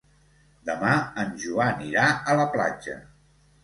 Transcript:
Demà en Joan irà a la platja.